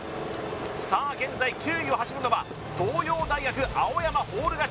さあ現在９位を走るのは東洋大学青山フォール勝ち